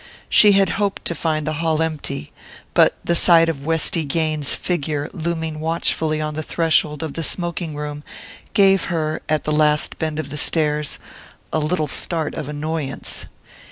She had hoped to find the hall empty, but the sight of Westy Gaines's figure looming watchfully on the threshold of the smoking room gave her, at the last bend of the stairs, a little start of annoyance.